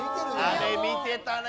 あれ見てたね。